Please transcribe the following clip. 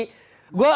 kita sering beli beli